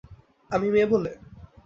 আমি মেয়ে বলে?